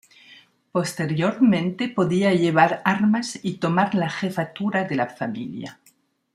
Posteriormente podía llevar armas y tomar la jefatura de la familia.